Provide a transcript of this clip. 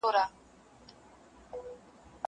زه پرون د تکړښت لپاره ولاړم!